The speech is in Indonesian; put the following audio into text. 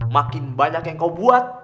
makin banyak yang kau buat